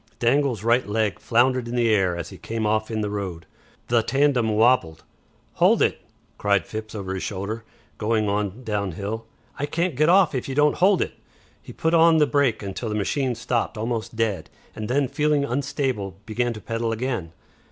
Dangle's right leg floundered in the air as he came off in the road. The tandem wobbled. "Hold it!" cried Phipps over his shoulder, going on downhill. "I can't get off if you don't hold it." He put on the brake until the machine stopped almost dead, and then feeling unstable began to pedal again.